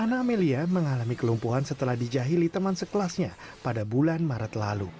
anak amelia mengalami kelumpuhan setelah dijahili teman sekelasnya pada bulan maret lalu